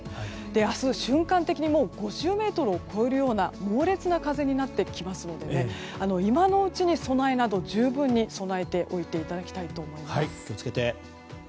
明日、瞬間的に５０メートルを超えるような猛烈な風になってきますので今のうちに十分に備えておいていただきたいです。